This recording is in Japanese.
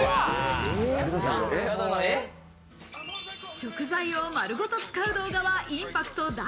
食材を丸ごと使う動画はインパクト大。